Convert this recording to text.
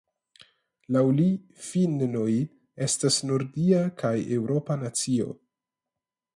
Laŭ li finnoj estas nordia kaj eŭropa nacio.